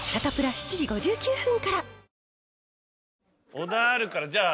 お題あるからじゃあ。